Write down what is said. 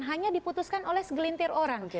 hanya diputuskan oleh segelintir orang